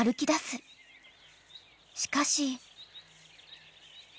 ［しかし］